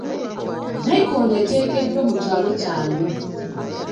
Nnayikondo eteekeddwa mu kyalo kyange.